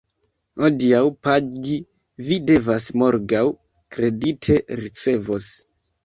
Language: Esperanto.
Hodiaŭ pagi vi devas, morgaŭ kredite ricevos.